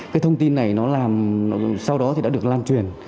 cái thông tin này nó làm sau đó thì đã được lan truyền